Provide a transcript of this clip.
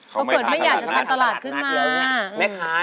ปรากฏไม่อยากจะทำตลาดขึ้นมา